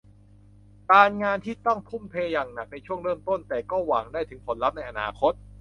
การงานที่ต้องทุ่มเทอย่างหนักในช่วงเริ่มต้น แต่ก็หวังได้ถึงผลลัพธ์ในอนาคต